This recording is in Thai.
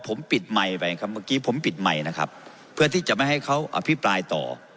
ผมปิดไมค์ไปนะครับเพื่อที่จะไม่ให้เขาอภิพลายต่อ